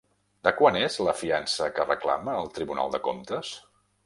De quant és la fiança que reclama el Tribunal de Comptes?